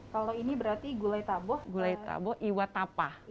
kalau ini berarti gulai taboh iwat tapah